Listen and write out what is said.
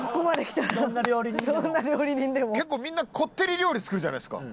結構みんなこってり料理作るじゃないですか。